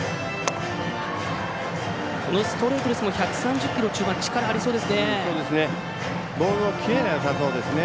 ストレートで１３０キロ中盤力ありそうですね。